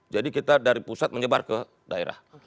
jadi kita dari pusat menyebar ke daerah